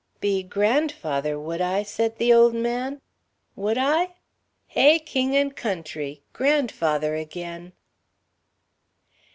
"Be grandfather, would I?" said the old man. "Would I? Hey, king and country! Grandfather again."